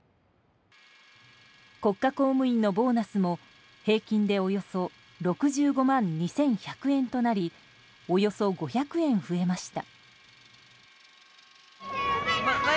国家公務員のボーナスも、平均でおよそ６５万２１００円となりおよそ５００円増えました。